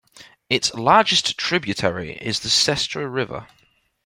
Its largest tributary is the Sestra River.